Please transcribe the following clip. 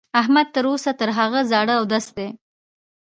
احمد تر اوسه پر هغه زاړه اودس دی.